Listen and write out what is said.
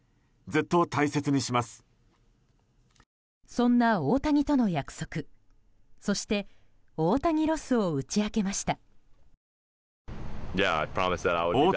そんな大谷との約束そして、大谷ロスを打ち明けました。